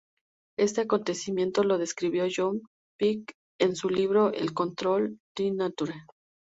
Este acontecimiento lo describe John McPhee en su libro "The Control of Nature".